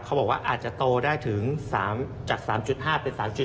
เขาบอกว่าอาจจะโตได้ถึงจาก๓๕เป็น๓๖ในปี๒๕๖๑